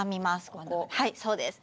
ここはいそうです